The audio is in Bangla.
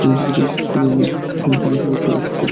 কারণ ঋতু পরিবর্তনের সঙ্গে সঙ্গে চেরি ফুল খুব দ্রুত ঝরে পড়ে।